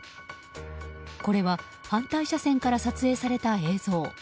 これは反対車線から撮影された映像。